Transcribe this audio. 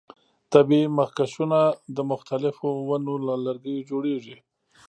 طبیعي مخکشونه د مختلفو ونو له لرګیو جوړیږي.